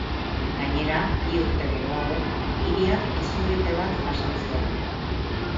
Gainera, bi urte geroago, hiriak izurrite bat jasan zuen.